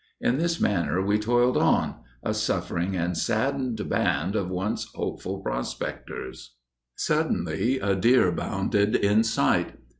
In this manner we toiled on, a suffering and saddened band of once hopeful prospectors. Suddenly a deer bounded in sight.